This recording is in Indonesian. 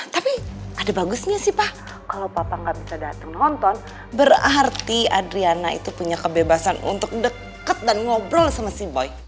tapi ada bagusnya sih pak kalau papa nggak bisa datang nonton berarti adriana itu punya kebebasan untuk deket dan ngobrol sama si boy